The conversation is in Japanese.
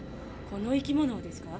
この生き物をですか？